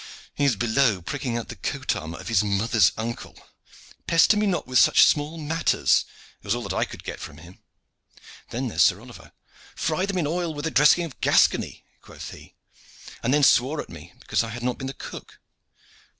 "He is below pricking out the coat armor of his mother's uncle. 'Pester me not with such small matters!' was all that I could get from him. Then there is Sir Oliver. 'Fry them in oil with a dressing of Gascony,' quoth he, and then swore at me because I had not been the cook.